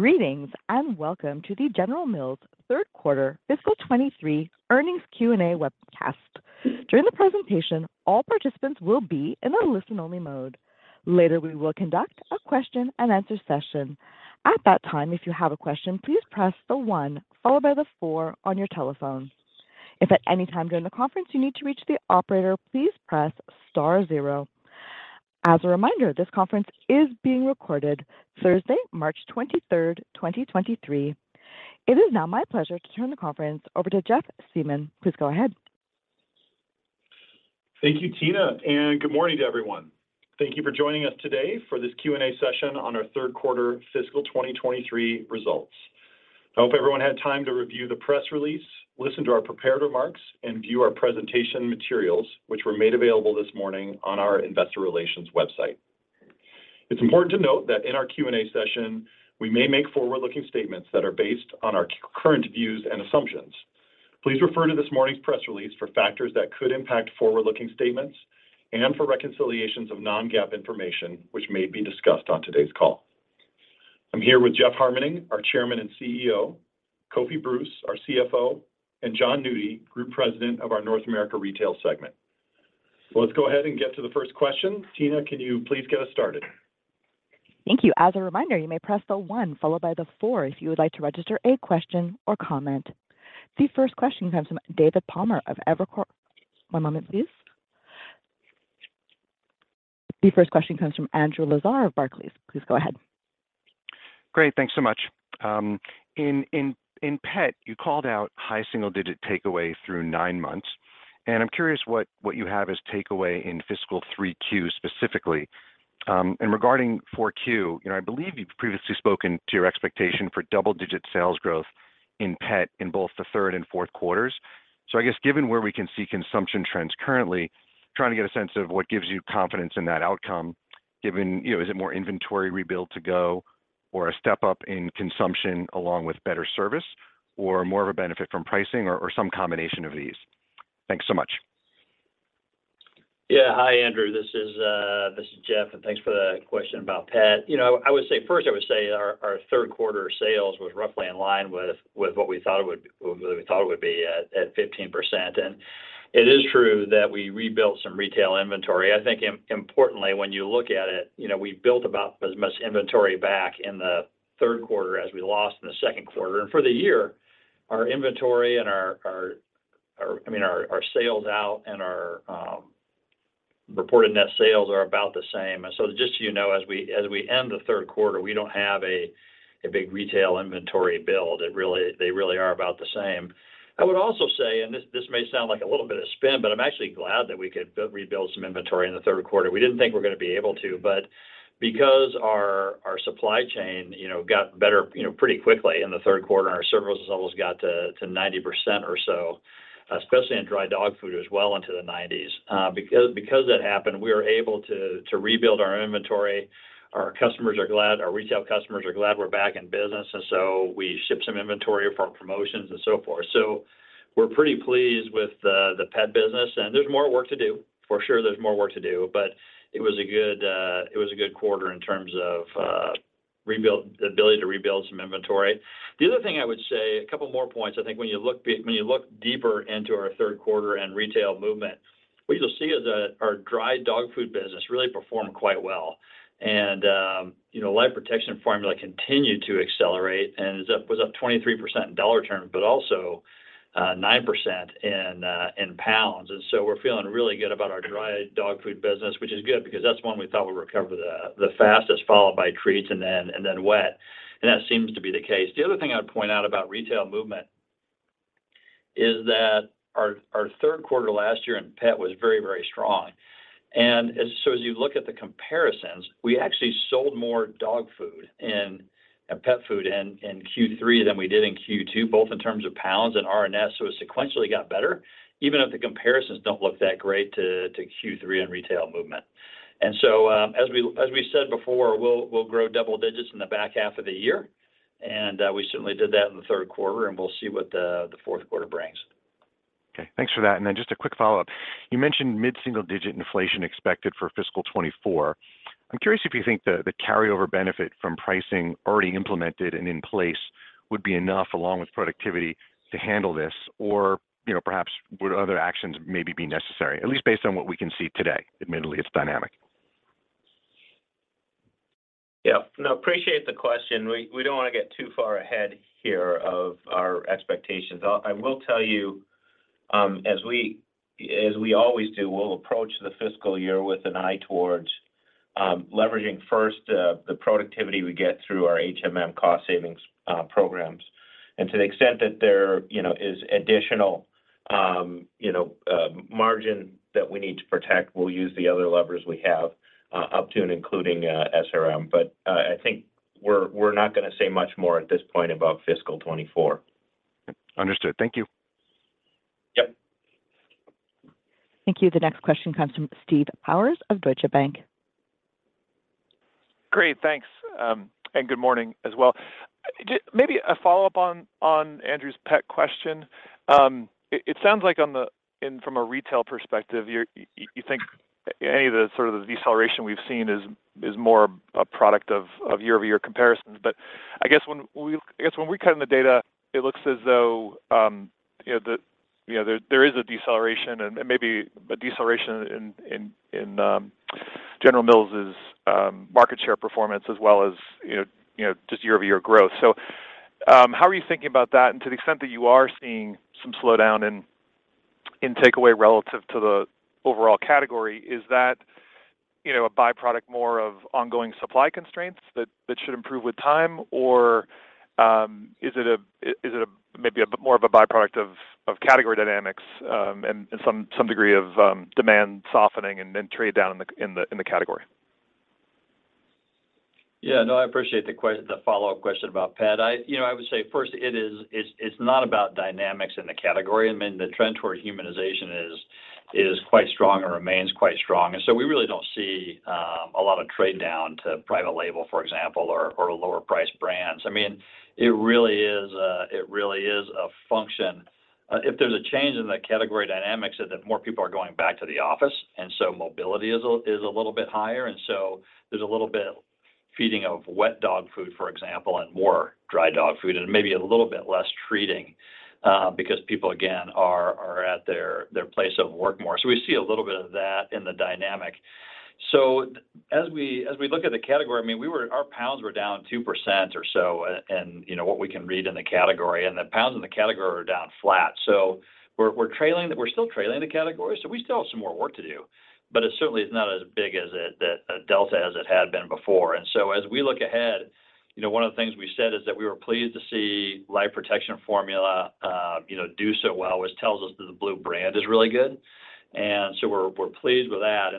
Greetings and welcome to the General Mills Q3 Fiscal 2023 Earnings Q&A Webcast. During the presentation, all participants will be in a listen-only mode. Later, we will conduct a question-and-answer session. At that time, if you have a question, please press one followed by four on your telephone. If at any time during the conference you need to reach the operator, please press star zero. As a reminder, this conference is being recorded Thursday, 23 March 2023. It is now my pleasure to turn the conference over to Jeff Siemon. Please go ahead. Thank you, Tina. Good morning to everyone. Thank you for joining us today for this Q&A session on our Q3 fiscal 2023 results. I hope everyone had time to review the press release, listen to our prepared remarks, and view our presentation materials, which were made available this morning on our investor relations website. It's important to note that in our Q&A session, we may make forward-looking statements that are based on our current views and assumptions. Please refer to this morning's press release for factors that could impact forward-looking statements and for reconciliations of non-GAAP information which may be discussed on today's call. I'm here with Jeff Harmening, our Chairman and CEO, Kofi Bruce, our CFO, and Jon Nudi, Group President of our North America Retail segment. Let's go ahead and get to the first question. Tina, can you please get us started? Thank you. As a reminder, you may press the one followed by the four if you would like to register a question or comment. The first question comes from David Palmer of Evercore... One moment, please. The first question comes from Andrew Lazar of Barclays. Please go ahead. Great. Thanks so much. In Pet, you called out high single-digit takeaway through nine months, I'm curious what you have as takeaway in fiscal Q3 specifically. Regarding Q4, you know, I believe you've previously spoken to your expectation for double-digit sales growth in Pet in both the Q3 and Q4. I guess given where we can see consumption trends currently, trying to get a sense of what gives you confidence in that outcome given, you know, is it more inventory rebuild to go or a step-up in consumption along with better service or more of a benefit from pricing or some combination of these? Thanks so much. Yeah. Hi, Andrew. This is Jeff, thanks for the question about Pet. You know, first, I would say our Q3 sales was roughly in line with what we thought it would be at 15%. It is true that we rebuilt some retail inventory. I think importantly, when you look at it, you know, we built about as much inventory back in the Q3 as we lost in the Q2. For the year, our inventory and our, I mean, our sales out and our reported net sales are about the same. Just so you know, as we end the Q3, we don't have a big retail inventory build. They really are about the same. I would also say, and this may sound like a little bit of spin, but I'm actually glad that we could rebuild some inventory in the Q3. We didn't think we were going to be able to. Because our supply chain, you know, got better, you know, pretty quickly in the Q3 and our service levels got to 90% or so, especially in dry dog food as well into the 90s. Because that happened, we were able to rebuild our inventory. Our customers are glad. Our retail customers are glad we're back in business, and so we shipped some inventory for our promotions and so forth. We're pretty pleased with the Pet business, and there's more work to do. For sure, there's more work to do, but it was a good quarter in terms of the ability to rebuild some inventory. The other thing I would say, a couple more points, I think when you look deeper into our Q3 and retail movement, what you'll see is that our dry dog food business really performed quite well. you know, Life Protection Formula continued to accelerate and was up 23% in dollar terms, but also, 9% in pounds. We're feeling really good about our dry dog food business, which is good because that's one we thought would recover the fastest, followed by treats and then wet. That seems to be the case. The other thing I'd point out about retail movement is that our Q3 last year in Pet was very, very strong. So as you look at the comparisons, we actually sold more dog food and pet food in Q3 than we did in Q2, both in terms of pounds and RNS, so it sequentially got better, even if the comparisons don't look that great to Q3 in retail movement. So as we said before, we'll grow double digits in the back half of the year, and we certainly did that in the Q3, and we'll see what the Q4 brings. Okay, thanks for that. Just a quick follow-up. You mentioned mid-single-digit inflation expected for fiscal 2024. I'm curious if you think the carryover benefit from pricing already implemented and in place would be enough, along with productivity, to handle this? You know, perhaps would other actions maybe be necessary, at least based on what we can see today? Admittedly, it's dynamic. Yeah. No, appreciate the question. We don't want to get too far ahead here of our expectations. I will tell you, as we always do, we'll approach the fiscal year with an eye towards leveraging first the productivity we get through our HMM cost savings programs. To the extent that there, you know, is additional margin that we need to protect, we'll use the other levers we have up to and including SRM. I think we're not gonna say much more at this point about fiscal 2024. Understood. Thank you. Yep. Thank you. The next question comes from Steve Powers of Deutsche Bank. Great. Thanks. And good morning as well. Maybe a follow-up on Andrew's Pet question. It sounds like from a retail perspective, you think any of the sort of the deceleration we've seen is more a product of year-over-year comparisons. I guess when we cut in the data, it looks as though, you know, Yeah, there is a deceleration and maybe a deceleration in General Mills' market share performance as well as, you know, just year-over-year growth. How are you thinking about that? And to the extent that you are seeing some slowdown in takeaway relative to the overall category, is that, you know, a by-product more of ongoing supply constraints that should improve with time? Is it a maybe a more of a by-product of category dynamics, and some degree of demand softening and then trade down in the category? Yeah. No, I appreciate the follow-up question about Pet. You know, I would say first it's not about dynamics in the category. I mean, the trend toward humanization is quite strong and remains quite strong. We really don't see a lot of trade down to private label, for example, or lower priced brands. I mean, it really is a function. If there's a change in the category dynamics is that more people are going back to the office, mobility is a little bit higher. There's a little bit feeding of wet dog food, for example, and more dry dog food and maybe a little bit less treating, because people again are at their place of work more. We see a little bit of that in the dynamic. As we look at the category, I mean, our pounds were down 2% or so, and, you know, what we can read in the category and the pounds in the category are down flat. We're still trailing the category, so we still have some more work to do, but it certainly is not as big as a delta as it had been before. As we look ahead, you know, one of the things we said is that we were pleased to see Life Protection Formula, you know, do so well, which tells us that the Blue brand is really good. We're pleased with that.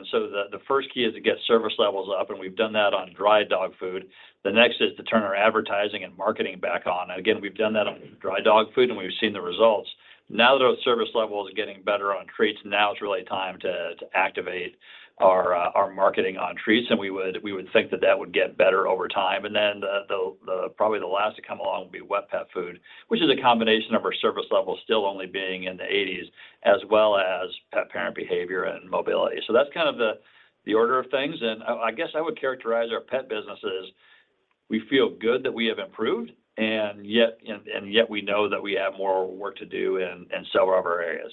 The first key is to get service levels up, and we've done that on dry dog food. The next is to turn our advertising and marketing back on. Again, we've done that on dry dog food, and we've seen the results. Now that our service level is getting better on treats, now it's really time to activate our marketing on treats. We would think that that would get better over time. Probably the last to come along will be wet pet food, which is a combination of our service levels still only being in the 80s as well as pet parent behavior and mobility. That's kind of the order of things. I guess I would characterize our Pet business as we feel good that we have improved, and yet, and yet we know that we have more work to do in several of our areas.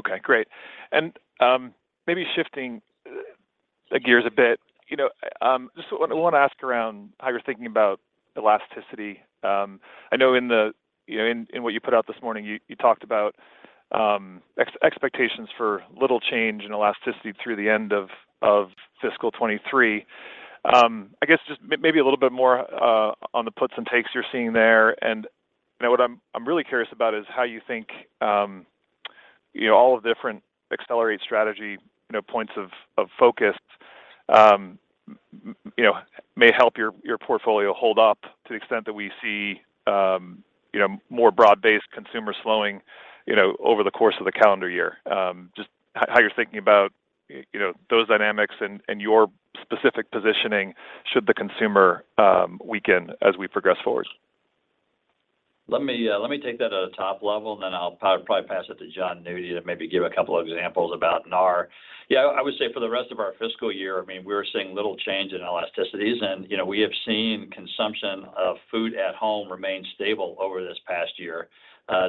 Okay, great. Maybe shifting gears a bit, you know, I wanna ask around how you're thinking about elasticity. I know in the, you know, in what you put out this morning, you talked about expectations for little change in elasticity through the end of fiscal 2023. I guess just maybe a little bit more on the puts and takes you're seeing there. You know, what I'm really curious about is how you think, you know, all the different Accelerate strategy, you know, points of focus, you know, may help your portfolio hold up to the extent that we see, you know, more broad-based consumer slowing, you know, over the course of the calendar year. Just how you're thinking about, you know, those dynamics and your specific positioning should the consumer weaken as we progress forward. Let me take that at a top level, then I'll probably pass it to Jon Nudi to maybe give a couple examples about NAR. I would say for the rest of our fiscal year, I mean, we're seeing little change in elasticities. You know, we have seen consumption of food at home remain stable over this past year.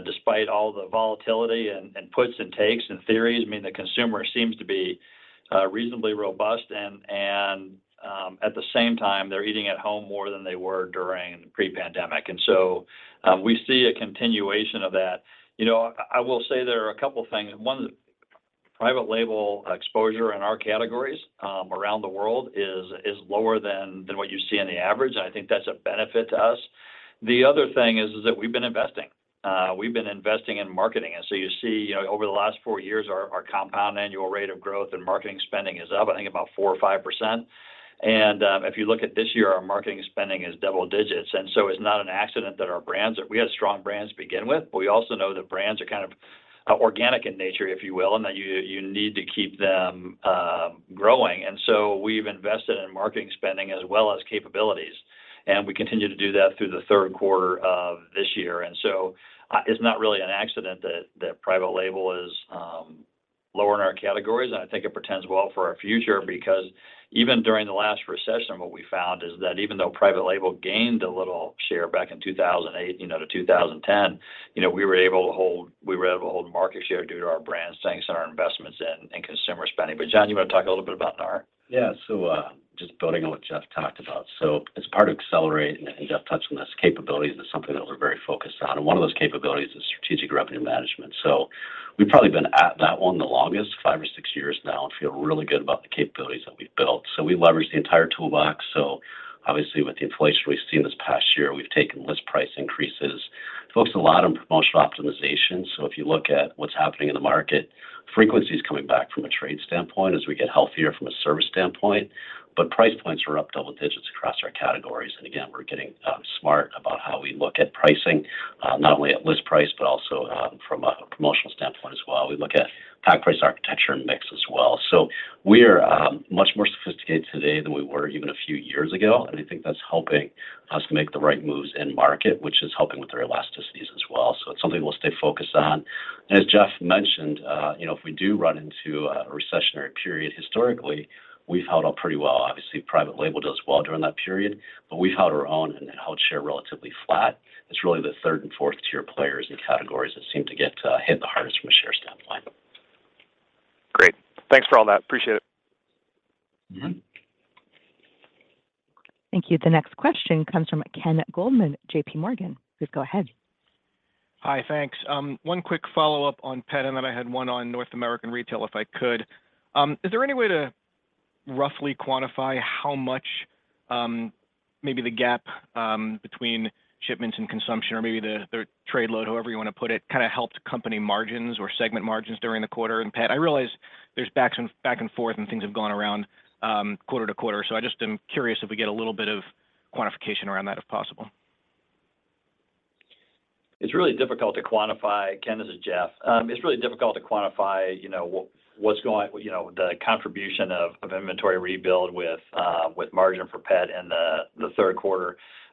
Despite all the volatility and puts and takes and theories, I mean, the consumer seems to be reasonably robust and at the same time, they're eating at home more than they were during pre-pandemic. We see a continuation of that. You know, I will say there are a couple things. One, private label exposure in our categories around the world is lower than what you see on the average, and I think that's a benefit to us. The other thing is that we've been investing. We've been investing in marketing. You see, you know, over the last four years, our compound annual rate of growth and marketing spending is up, I think about 4% or 5%. If you look at this year, our marketing spending is double digits. It's not an accident that our brands are. We had strong brands to begin with, but we also know that brands are kind of organic in nature, if you will, and that you need to keep them growing. We've invested in marketing spending as well as capabilities, and we continue to do that through the Q3 of this year. It's not really an accident that private label is lower in our categories. I think it portends well for our future because even during the last recession, what we found is that even though private label gained a little share back in 2008, you know, to 2010, you know, we were able to hold market share due to our brand strengths and our investments in and consumer spending. Jon Nudi, you want to talk a little bit about NAR? Yeah. Just building on what Jeff talked about. As part of Accelerate, and Jeff touched on this, capabilities is something that we're very focused on, and one of those capabilities is Strategic Revenue Management. We've probably been at that one the longest, five or six years now, and feel really good about the capabilities that we've built. We leverage the entire toolbox. Obviously with the inflation we've seen this past year, we've taken list price increases. Focused a lot on promotional optimization. If you look at what's happening in the market, frequency is coming back from a trade standpoint as we get healthier from a service standpoint, but price points are up double-digits across our categories. Again, we're getting smart about how we look at pricing, not only at list price, but also from a promotional standpoint as well. We look at pack price architecture and mix as well. We are much more sophisticated today than we were even a few years ago, and I think that's helping us make the right moves in market, which is helping with our elasticities as well. It's something we'll stay focused on. As Jeff mentioned, you know, if we do run into a recessionary period, historically, we've held up pretty well. Obviously, private label does well during that period, but we've held our own and held share relatively flat. It's really the third and fourth tier players and categories that seem to get hit the hardest from a share standpoint. Thanks for all that. Appreciate it. Mm-hmm. Thank you. The next question comes from Ken Goldman, JPMorgan. Please go ahead. Hi. Thanks. One quick follow-up on Pet, and then I had one on North America Retail, if I could. Is there any way to roughly quantify how much, maybe the gap, between shipments and consumption or maybe the trade load, however you wanna put it, kind of helped company margins or segment margins during the quarter in Pet? I realize there's back and forth, and things have gone around, quarter-to-quarter, so I just am curious if we get a little bit of quantification around that, if possible. It's really difficult to quantify. Ken, this is Jeff. It's really difficult to quantify, you know, what's going, you know, the contribution of inventory rebuild with margin for Pet in the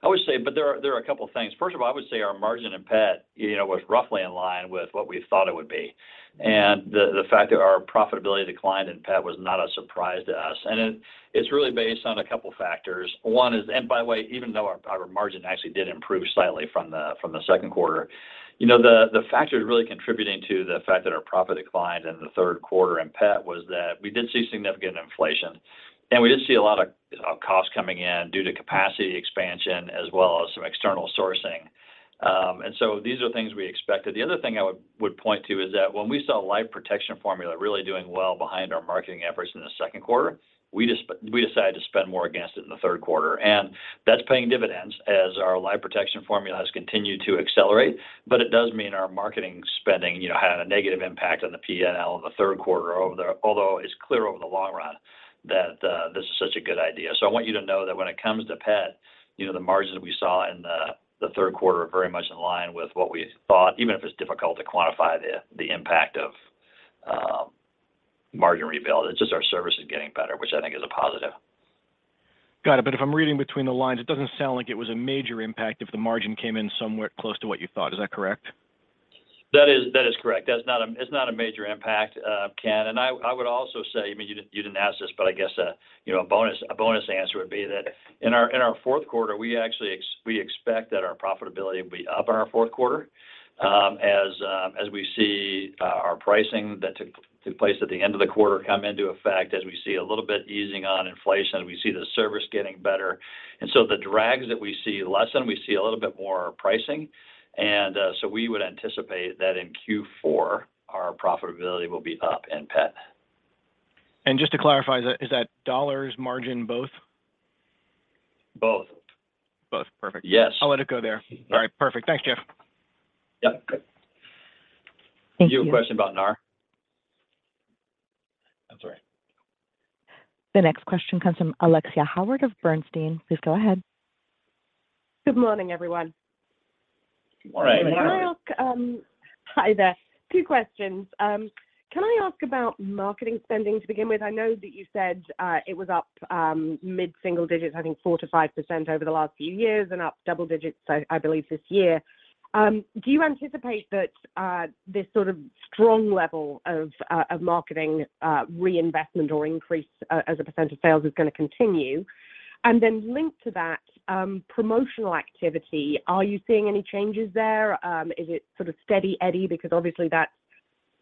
Q3. There are a couple things. First of all, I would say our margin in Pet, you know, was roughly in line with what we thought it would be. The fact that our profitability declined in Pet was not a surprise to us. It's really based on a couple factors. One is... By the way, even though our margin actually did improve slightly from the Q2, you know, the factors really contributing to the fact that our profit declined in the Q3 in Pet was that we did see significant inflation, and we did see a lot of costs coming in due to capacity expansion as well as some external sourcing. So these are things we expected. The other thing I would point to is that when we saw Life Protection Formula really doing well behind our marketing efforts in the Q2, we decided to spend more against it in the Q3. That's paying dividends as our Life Protection Formula has continued to accelerate. It does mean our marketing spending, you know, had a negative impact on the P&L in the Q3, although it's clear over the long run that this is such a good idea. I want you to know that when it comes to Pet, you know, the margins we saw in the Q3 are very much in line with what we thought, even if it's difficult to quantify the impact of margin rebuild. It's just our service is getting better, which I think is a positive. Got it. If I'm reading between the lines, it doesn't sound like it was a major impact if the margin came in somewhat close to what you thought. Is that correct? That is correct. It's not a major impact, Ken. I would also say, I mean, you didn't ask this, but I guess, you know, a bonus answer would be that in our Q4, we actually expect that our profitability will be up in our Q4, as we see our pricing that took place at the end of the quarter come into effect, as we see a little bit easing on inflation, we see the service getting better. The drags that we see lessen, we see a little bit more pricing. We would anticipate that in Q4, our profitability will be up in Pet. Just to clarify, is that dollars, margin, both? Both. Both. Perfect. Yes. I'll let it go there. All right. Perfect. Thanks, Jeff. Yep. Good. Thank you. Do you have a question about NAR? I'm sorry. The next question comes from Alexia Howard of Bernstein. Please go ahead. Good morning, everyone. Good morning. Can I ask. Hi there. Two questions. Can I ask about marketing spending to begin with? I know that you said it was up mid-single digits, I think 4% to 5% over the last few years and up double digits, I believe this year. Do you anticipate that this sort of strong level of marketing reinvestment or increase as a percent of sales is gonna continue? Linked to that, promotional activity, are you seeing any changes there? Is it sort of steady Eddie? Obviously that's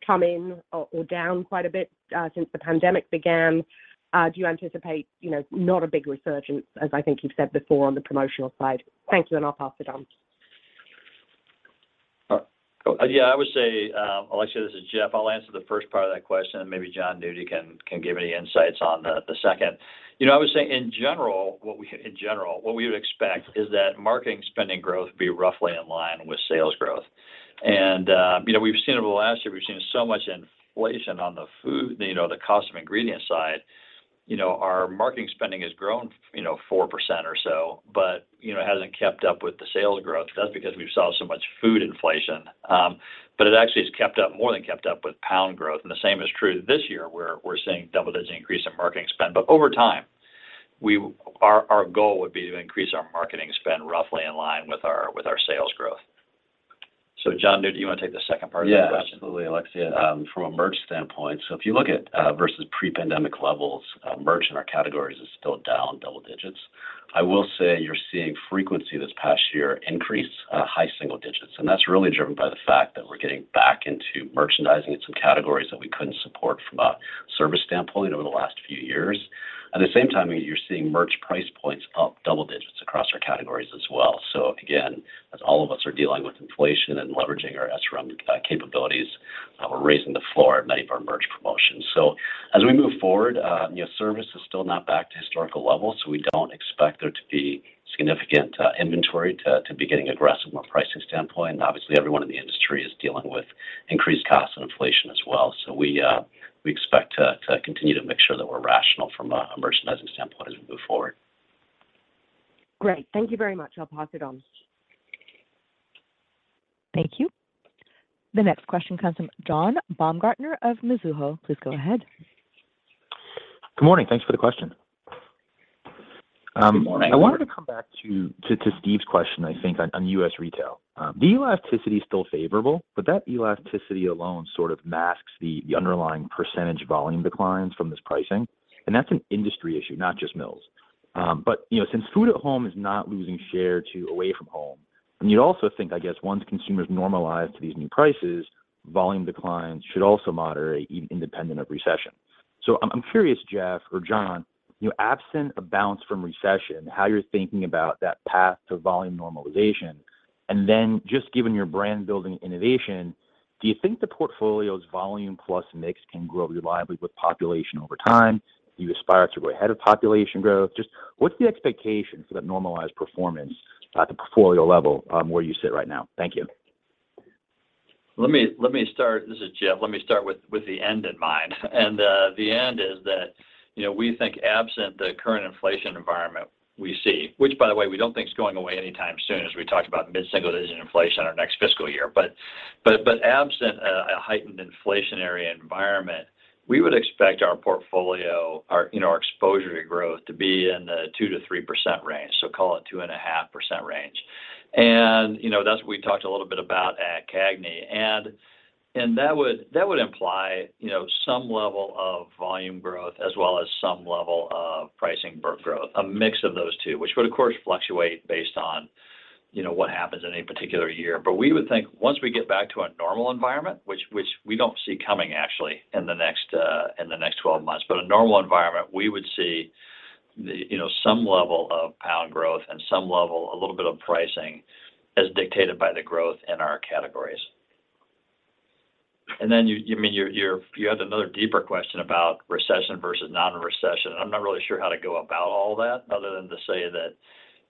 come in or down quite a bit since the pandemic began. Do you anticipate, you know, not a big resurgence, as I think you've said before, on the promotional side? Thank you. I'll pass it on. Yeah, I would say, Alexia, this is Jeff. I'll answer the first part of that question, maybe Jon Nudi can give any insights on the second. You know, I would say in general, what we would expect is that marketing spending growth be roughly in line with sales growth. You know, we've seen over the last year, we've seen so much inflation on the food, you know, the cost of ingredients side. You know, our marketing spending has grown, you know, 4% or so, but, you know, it hasn't kept up with the sales growth. That's because we've saw so much food inflation. It actually has kept up, more than kept up with pound growth. The same is true this year, where we're seeing double-digit increase in marketing spend. Over time, our goal would be to increase our marketing spend roughly in line with our sales growth. Jon, do you wanna take the second part of that question? Yeah, absolutely, Alexia. From a merch standpoint, if you look at versus pre-pandemic levels, merch in our categories is still down double digits. I will say you're seeing frequency this past year increase, high single digits, and that's really driven by the fact that we're getting back into merchandising in some categories that we couldn't support from a service standpoint over the last few years. At the same time, you're seeing merch price points up double digits across our categories as well. Again, as all of us are dealing with inflation and leveraging our SRM capabilities, we're raising the floor at many of our merch promotions. As we move forward, you know, service is still not back to historical levels, so we don't expect there to be significant inventory to be getting aggressive from a pricing standpoint. Obviously, everyone in the industry is dealing with increased costs and inflation as well. We expect to continue to make sure that we're rational from a merchandising standpoint as we move forward. Great. Thank you very much. I'll pass it on. Thank you. The next question comes from John Baumgartner of Mizuho. Please go ahead. Good morning. Thanks for the question. Good morning. I wanted to come back to Steve's question, I think on US retail. The elasticity is still favorable, but that elasticity alone sort of masks the underlying percentage volume declines from this pricing. That's an industry issue, not just Mills. You know, since food at home is not losing share to away from home, you'd also think, I guess, once consumers normalize to these new prices, volume declines should also moderate independent of recession. I'm curious, Jeff or John, you know, absent a bounce from recession, how you're thinking about that path to volume normalization. Just given your brand-building innovation, do you think the portfolio's volume plus mix can grow reliably with population over time? Do you aspire to grow ahead of population growth? Just what's the expectation for that normalized performance at the portfolio level, where you sit right now? Thank you. Let me start... This is Jeff. Let me start with the end in mind. The end is that, you know, we think absent the current inflation environment we see, which by the way we don't think is going away anytime soon, as we talked about mid-single digit inflation our next fiscal year. Absent a heightened inflationary environment, we would expect our portfolio, our, you know, our exposure to growth to be in the 2% to 3% range, so call it 2.5% range. That's what we talked a little bit about at CAGNY. That would imply, you know, some level of volume growth as well as some level of pricing growth, a mix of those two, which would of course fluctuate based on, you know, what happens in any particular year. We would think once we get back to a normal environment, which we don't see coming actually in the next 12 months, but a normal environment, we would see, you know, some level of pound growth and some level, a little bit of pricing as dictated by the growth in our categories. You, you mean your, you had another deeper question about recession versus non-recession. I'm not really sure how to go about all that other than to say that,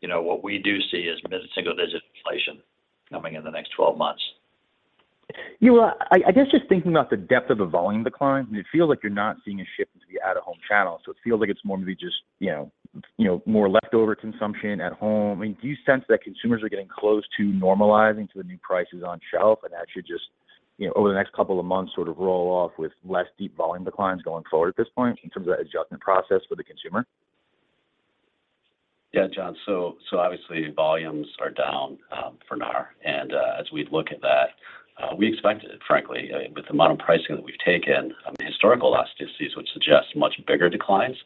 you know, what we do see is mid-single digit inflation coming in the next 12 months. You know what, I guess just thinking about the depth of a volume decline, it feels like you're not seeing a shift into the out-of-home channel, it feels like it's more maybe just, you know, more leftover consumption at home. I mean, do you sense that consumers are getting close to normalizing to the new prices on shelf and actually just, you know, over the next couple of months sort of roll off with less deep volume declines going forward at this point in terms of that adjustment process for the consumer? Yeah, John. Obviously volumes are down for NAR. As we look at that, we expected it, frankly, with the amount of pricing that we've taken, I mean, historical elasticity would suggest much bigger declines.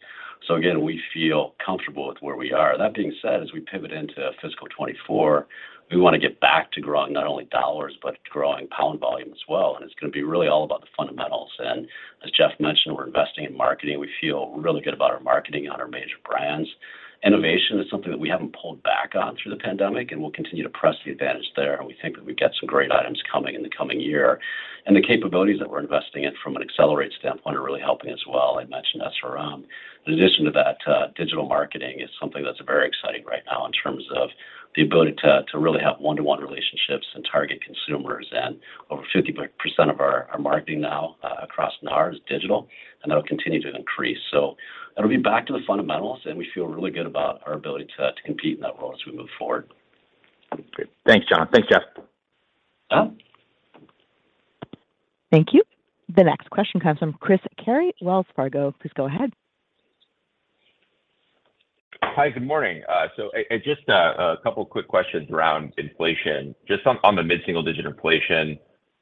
We feel comfortable with where we are. That being said, as we pivot into fiscal 2024, we want to get back to growing not only dollars, but growing pound volume as well, and it's going to be really all about the fundamentals. Jeff mentioned, we're investing in marketing. We feel really good about our marketing on our major brands. Innovation is something that we haven't pulled back on through the pandemic, and we'll continue to press the advantage there, and we think that we've got some great items coming in the coming year. The capabilities that we're investing in from an Accelerate standpoint are really helping as well. I mentioned SRM. In addition to that, digital marketing is something that's very exciting right now in terms of the ability to really have one-to-one relationships and target consumers. Over 50% of our marketing now across NAR is digital, and that'll continue to increase. It'll be back to the fundamentals, and we feel really good about our ability to compete in that role as we move forward. Great. Thanks, Jon. Thanks, Jeff. Uh-huh. Thank you. The next question comes from Chris Carey, Wells Fargo. Please go ahead. Hi, good morning. Just a couple quick questions around inflation. Just on the mid-single digit inflation,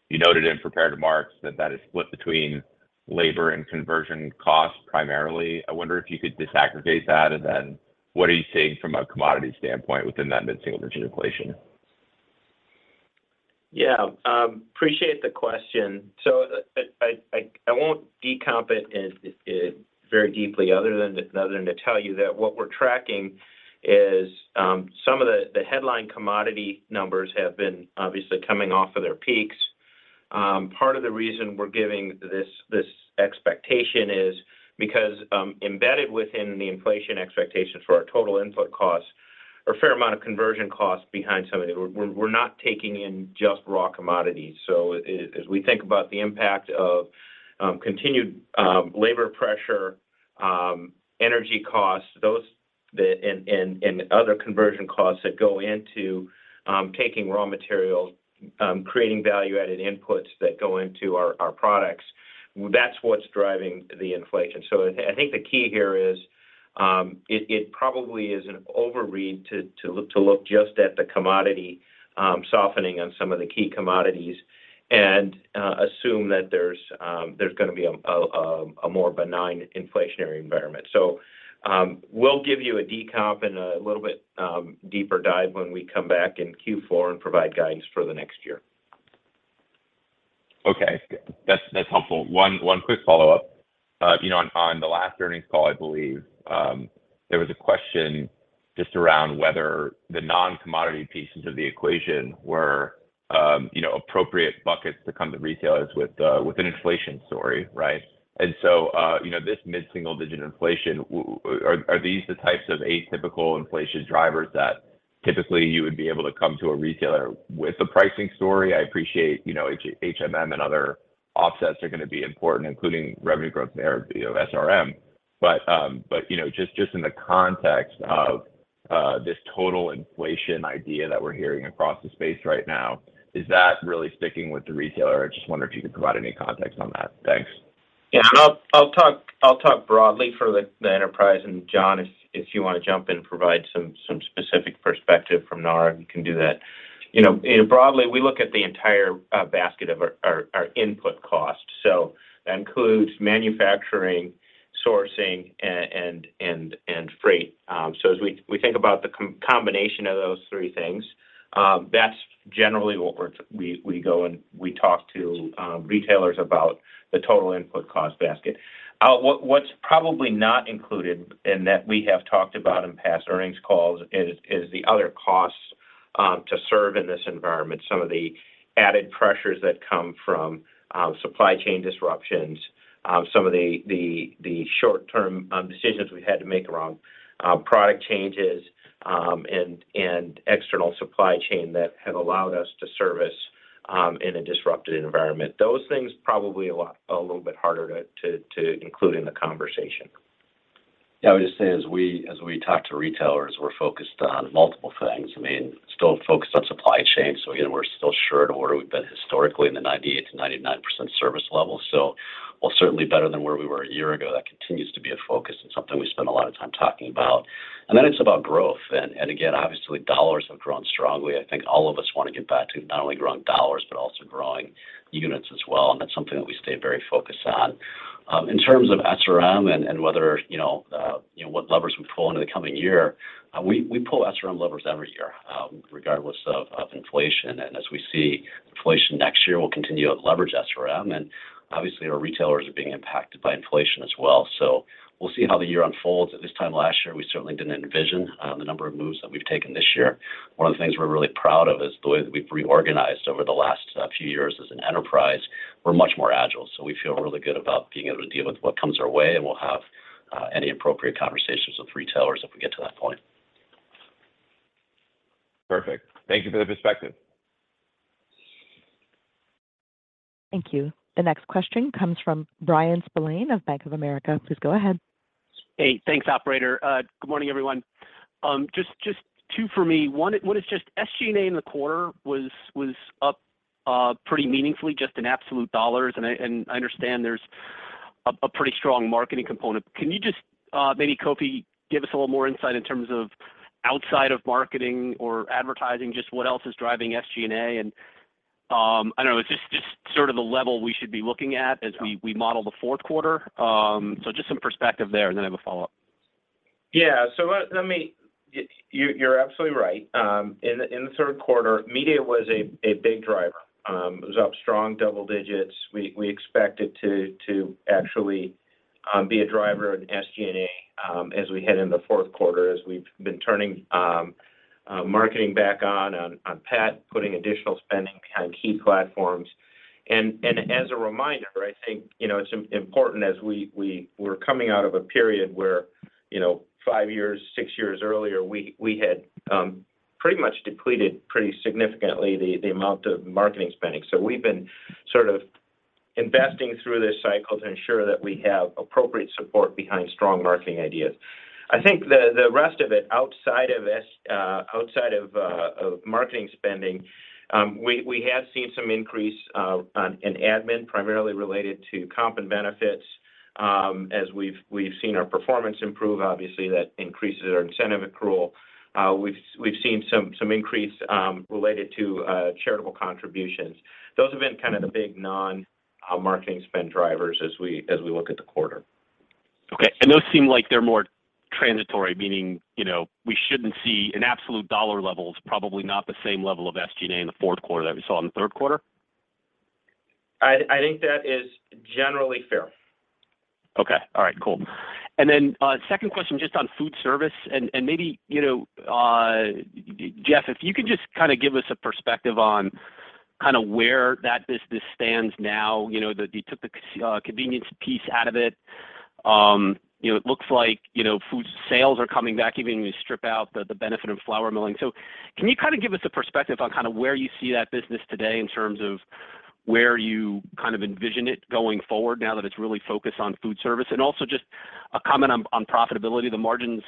you noted in prepared remarks that that is split between labor and conversion costs primarily. I wonder if you could disaggregate that, what are you seeing from a commodity standpoint within that mid-single digit inflation? Yeah. Appreciate the question. I won't decomp it very deeply other than, other than to tell you that what we're tracking is some of the headline commodity numbers have been obviously coming off of their peaks. Part of the reason we're giving this expectation is because embedded within the inflation expectation for our total input costs are a fair amount of conversion costs behind some of it. We're not taking in just raw commodities. As we think about the impact of continued labor pressure, energy costs, those that and other conversion costs that go into taking raw materials, creating value-added inputs that go into our products, that's what's driving the inflation. I think the key here is, it probably is an overread to look just at the commodity softening on some of the key commodities and assume that there's gonna be a more benign inflationary environment. We'll give you a decomp and a little bit deeper dive when we come back in Q4 and provide guidance for the next year. Okay. That's helpful. One quick follow-up. you know, on the last earnings call, I believe, there was a question just around whether the non-commodity pieces of the equation were, you know, appropriate buckets to come to retailers with an inflation story, right? You know, this mid-single-digit inflation, are these the types of atypical inflation drivers that typically you would be able to come to a retailer with a pricing story? I appreciate, you know, HMM and other offsets are gonna be important, including revenue growth there, you know, SRM. You know, just in the context of this total inflation idea that we're hearing across the space right now, is that really sticking with the retailer? I just wonder if you could provide any context on that. Thanks. Yeah. I'll talk broadly for the enterprise. John, if you wanna jump in and provide some specific perspective from NAR, you can do that. You know, broadly, we look at the entire basket of our input costs. That includes manufacturing, sourcing, and freight. As we think about the combination of those three things, that's generally what we go and we talk to retailers about the total input cost basket. What's probably not included and that we have talked about in past earnings calls is the other costs to serve in this environment. Some of the added pressures that come from supply chain disruptions, some of the short-term decisions we had to make around product changes, and external supply chain that have allowed us to service in a disrupted environment. Those things probably a little bit harder to include in the conversation. Yeah. I would just say as we talk to retailers, we're focused on multiple things. I mean, still focused on supply chain, so, you know, we're still sure to order. We've been historically in the 98%-99% service level. While certainly better than where we were a year ago, that continues to be a focus and something we spend a lot of time talking about. It's about growth and again, obviously dollars have grown strongly. I think all of us want to get back to not only growing dollars, but also growing units as well, and that's something that we stay very focused on. In terms of SRM and whether, you know, what levers we pull into the coming year, we pull SRM levers every year, regardless of inflation. As we see inflation next year, we'll continue to leverage SRM. Obviously our retailers are being impacted by inflation as well, so we'll see how the year unfolds. At this time last year, we certainly didn't envision the number of moves that we've taken this year. One of the things we're really proud of is the way that we've reorganized over the last few years as an enterprise. We're much more agile, so we feel really good about being able to deal with what comes our way, and we'll have any appropriate conversations with retailers if we get to that point. Perfect. Thank you for the perspective. Thank you. The next question comes from Bryan Spillane of Bank of America. Please go ahead. Hey, thanks operator. Good morning, everyone. Just two for me. One is just SG&A in the quarter was up pretty meaningfully just in absolute dollars and I understand there's a pretty strong marketing component. Can you just maybe Kofi, give us a little more insight in terms of outside of marketing or advertising, just what else is driving SG&A? I don't know, is this just sort of the level we should be looking at as we model the Q4? Just some perspective there, and then I have a follow-up. Yeah. You're absolutely right. In the Q3, media was a big driver. It was up strong double digits. We expect it to actually be a driver in SG&A as we head into Q4 as we've been turning marketing back on Pet, putting additional spending behind key platforms. As a reminder, I think, you know, it's important as we're coming out of a period where, you know, five years, six years earlier, we had pretty much depleted pretty significantly the amount of marketing spending. We've been sort of investing through this cycle to ensure that we have appropriate support behind strong marketing ideas. I think the rest of it outside of outside of marketing spending, we have seen some increase on in admin, primarily related to comp and benefits. As we've seen our performance improve, obviously that increases our incentive accrual. We've seen some increase related to charitable contributions. Those have been kind of the big non-marketing spend drivers as we look at the quarter. Okay. Those seem like they're more transitory, meaning, you know, we shouldn't see an absolute dollar levels, probably not the same level of SG&A in the Q4 that we saw in the Q3? I think that is generally fair. Okay. All right, cool. Second question just on Foodservice and maybe, you know, Jeff, if you can just kinda give us a perspective on kinda where that business stands now? You know, you took the convenience piece out of it. You know, it looks like, you know, food sales are coming back even when you strip out the benefit of flour milling. Can you kinda give us a perspective on kinda where you see that business today in terms of where you kind of envision it going forward now that it's really focused on Foodservice? Also just a comment on profitability. The margins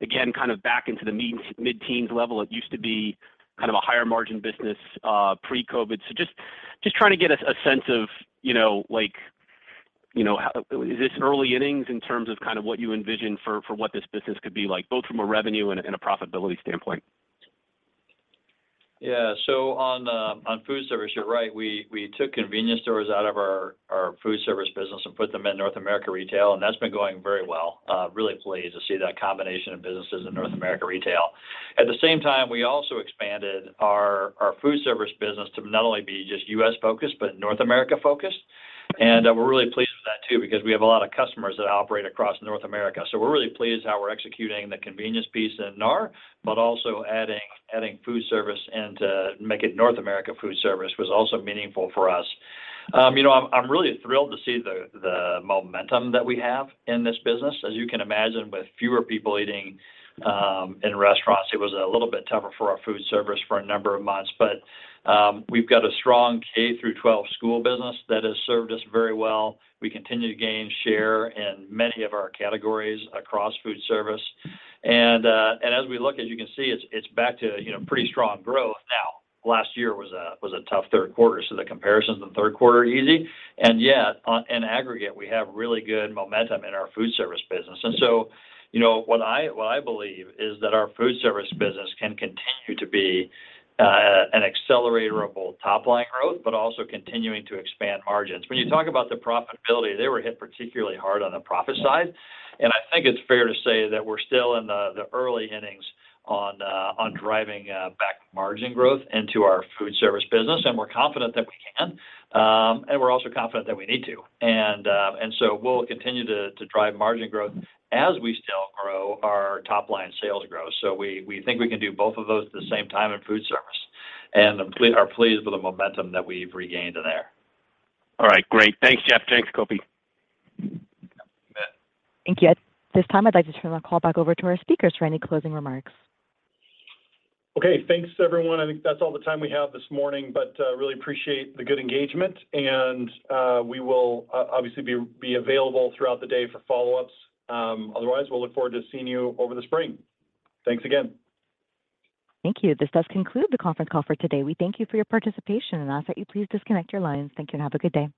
again, kind of back into the mid-teens level. It used to be kind of a higher margin business, pre-COVID. Just trying to get a sense of, you know, like, you know, is this early innings in terms of kind of what you envision for what this business could be like, both from a revenue and a profitability standpoint? On Foodservice, you're right. We took convenience stores out of our Foodservice business and put them in North America Retail. That's been going very well. Really pleased to see that combination of businesses in North America Retail. At the same time, we also expanded our Foodservice business to not only be just US focused, but North America focused. We're really pleased with that too, because we have a lot of customers that operate across North America. We're really pleased how we're executing the convenience piece in NAR, but also adding Foodservice and to make it North America Foodservice was also meaningful for us. You know, I'm really thrilled to see the momentum that we have in this business. As you can imagine, with fewer people eating in restaurants, it was a little bit tougher for our Foodservice for a number of months. We've got a strong K-12 school business that has served us very well. We continue to gain share in many of our categories across Foodservice. As we look, as you can see, it's back to, you know, pretty strong growth now. Last year was a tough Q3, the comparison to the Q3 are easy. In aggregate, we have really good momentum in our Foodservice business. You know, what I believe is that our Foodservice business can continue to be an accelerator of both top line growth, but also continuing to expand margins. When you talk about the profitability, they were hit particularly hard on the profit side. I think it's fair to say that we're still in the early innings on driving, back margin growth into our Foodservice business, and we're confident that we can. We're also confident that we need to. We'll continue to drive margin growth as we still grow our top line sales growth. We think we can do both of those at the same time in Foodservice, and I'm pleased with the momentum that we've regained there. All right, great. Thanks, Jeff. Thanks, Kofi. Thank you. At this time, I'd like to turn the call back over to our speakers for any closing remarks. Okay. Thanks everyone. I think that's all the time we have this morning, really appreciate the good engagement and we will obviously be available throughout the day for follow-ups. Otherwise, we'll look forward to seeing you over the spring. Thanks again. Thank you. This does conclude the conference call for today. We thank you for your participation and ask that you please disconnect your lines. Thank you and have a good day.